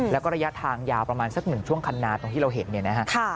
และระยะทางยาประมาณสัก๑ช่วงคันนาทที่เราเห็น